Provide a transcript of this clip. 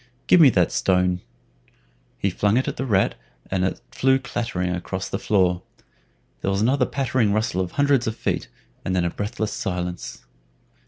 Give me that stone." He flung it at the rat, and it flew clattering across the floor. There was another pattering rustle of hundreds of feet, and then a breathless silence.